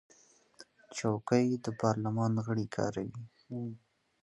چوکۍ د پارلمان غړي کاروي.